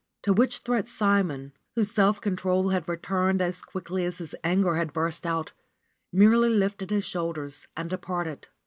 To which threat Simon, whose self control had re turned as quickly as his anger had burst out, merely lifted his shoulders and departed.